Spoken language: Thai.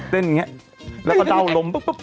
เต้นอย่างนี้แล้วก็เดาลม